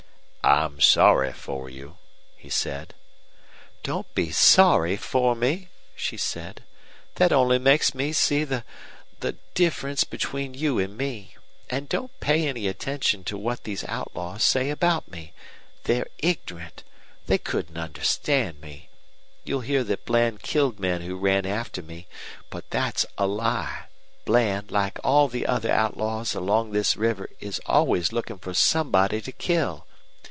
"I'm sorry for you," he said. "Don't be SORRY for me," she said. "That only makes me see the the difference between you and me. And don't pay any attention to what these outlaws say about me. They're ignorant. They couldn't understand me. You'll hear that Bland killed men who ran after me. But that's a lie. Bland, like all the other outlaws along this river, is always looking for somebody to kill.